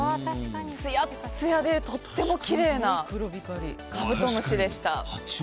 ツヤツヤでとってもきれいなカブトムシでした。